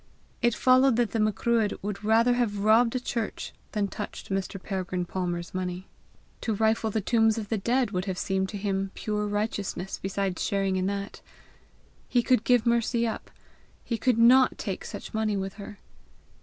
It followed that the Macruadh would rather have robbed a church than touched Mr. Peregrine Palmer's money. To rifle the tombs of the dead would have seemed to him pure righteousness beside sharing in that. He could give Mercy up; he could NOT take such money with her!